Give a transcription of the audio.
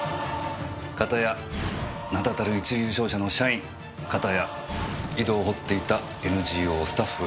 片や名だたる一流商社の社員片や井戸を掘っていたＮＧＯスタッフ。